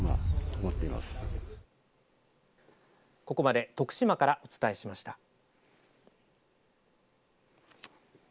ここまで徳島からお伝えしました。